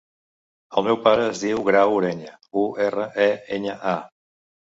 El meu pare es diu Grau Ureña: u, erra, e, enya, a.